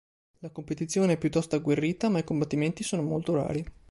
La competizione è piuttosto agguerrita, ma i combattimenti sono molto rari.